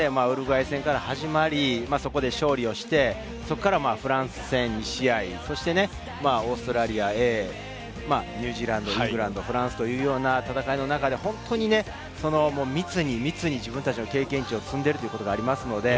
その中でウルグアイ戦から始まり、勝利して、そこからフランス戦２試合、オーストラリアＡ、ニュージーランド、イングランド、フランスというような戦いの中で、密に密に自分たちの経験値を積んでいるということがあります。